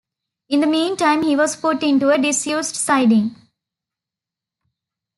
In the meantime, he was put into a disused siding.